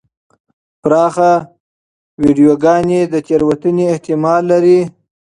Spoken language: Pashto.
پراخه ویډیوګانې د تېروتنې احتمال لري.